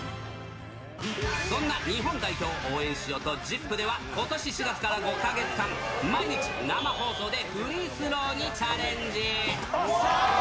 そんな日本代表を応援しようと、ＺＩＰ！ではことし４月から５か月間、毎日、生放送でフリースローにチャレンジ。